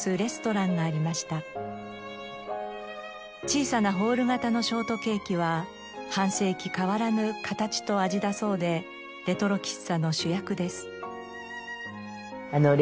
小さなホール形のショートケーキは半世紀変わらぬ形と味だそうでレトロ喫茶の主役です。